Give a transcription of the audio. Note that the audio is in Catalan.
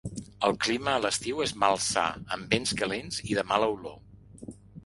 El clima a l'estiu és malsà, amb vents calents i de mala olor.